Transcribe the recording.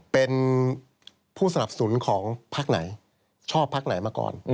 เป็นผู้สนับสนุนของพักไหนชอบพักไหนมาก่อน